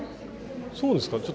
そうですか？